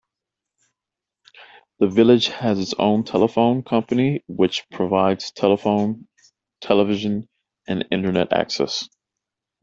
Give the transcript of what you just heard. The village has its own telephone company, which provides telephone, television, and internet access.